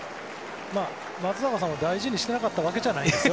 松坂さんを大事にしていなかったわけではないですよ。